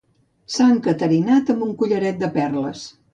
S'ha encaterinat amb un collaret de perles.